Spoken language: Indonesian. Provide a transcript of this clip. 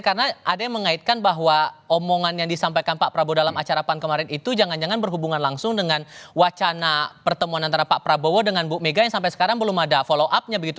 karena ada yang mengaitkan bahwa omongan yang disampaikan pak prabowo dalam acara pan kemarin itu jangan jangan berhubungan langsung dengan wacana pertemuan antara pak prabowo dengan bu mega yang sampai sekarang belum ada follow up nya begitu